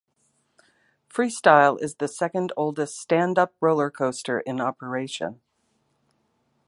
Freestyle is the second oldest stand-up roller coaster in operation.